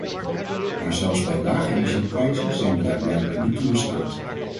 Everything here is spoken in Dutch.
Maar zelfs bij lage energieprijzen zijn we daar blijkbaar niet toe in staat.